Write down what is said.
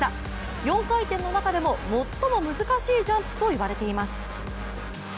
４回転の中でも最も難しいジャンプといわれています。